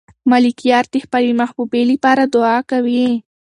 ملکیار د خپلې محبوبې لپاره دعا کوي.